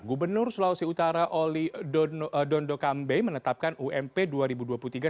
gubernur sulawesi utara olly dondokambe menetapkan ump dua ribu dua puluh tiga sebesar tiga empat ratus delapan puluh delapan